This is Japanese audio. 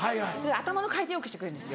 頭の回転良くしてくれるんです。